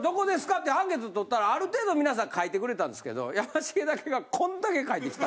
ってアンケート取ったらある程度皆さん書いてくれたんですけどやましげだけがこんだけ書いてきた。